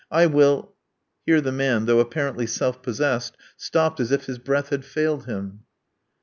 I will" Here the man, though apparently self possessed, stopped as if his breath had failed him.